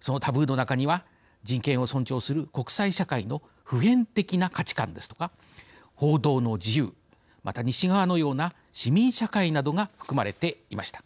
そのタブーの中には人権を尊重する国際社会の普遍的な価値観ですとか報道の自由また、西側のような市民社会などが含まれていました。